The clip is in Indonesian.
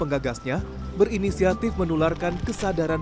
dan setahun lama memiliki pelajaran pendapatan